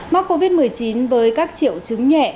mắc covid một mươi chín với các triệu chứng nhẹ